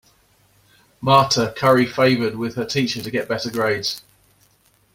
Marta curry favored with her teacher to get better grades.